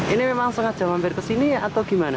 ini memang sengaja mampir ke sini atau gimana